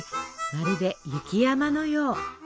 まるで雪山のよう。